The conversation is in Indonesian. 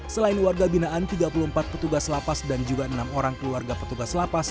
selain warga binaan tiga puluh empat petugas lapas dan juga enam orang keluarga petugas lapas